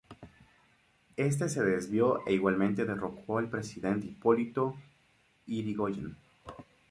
Éste se desvió e igualmente derrocó al presidente Hipólito Yrigoyen.